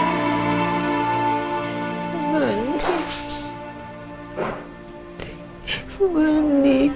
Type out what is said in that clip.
ibu akan berhutang di sini